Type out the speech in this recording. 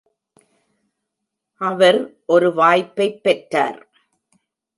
அவர் ஒரு வாய்ப்பைப் பெற்றார்.